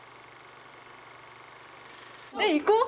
え行こう！